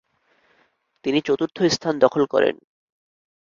তিনি চতুর্থ স্থান দখল করেন।